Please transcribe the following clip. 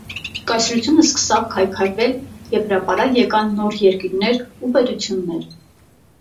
Կայսրութիւնը սկսաւ քայքայուիլ են հրապարակ եկան նոր երկիրներ ու պետութիւններ։